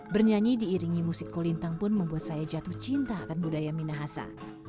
bernyanyi diiringi musik kolintang pun membuat saya jatuh cinta akan budaya minahasa